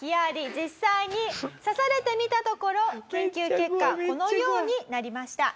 実際に刺されてみたところ研究結果このようになりました。